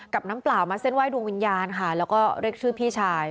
น้ำเปล่ามาเส้นไห้ดวงวิญญาณค่ะแล้วก็เรียกชื่อพี่ชาย